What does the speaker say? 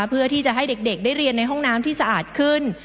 เพื่อที่จะให้เด็กได้เรียนในห้องน้ำที่สะอาดขึ้น